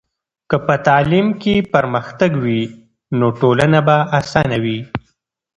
که په تعلیم کې پرمختګ وي، نو ټولنه به اسانه وي.